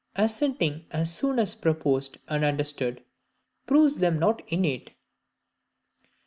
17. Assenting as soon as proposed and understood, proves them not innate.